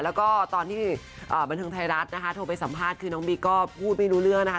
แล้วก็ตอนที่บันเทิงไทยรัฐนะคะโทรไปสัมภาษณ์คือน้องบิ๊กก็พูดไม่รู้เรื่องนะคะ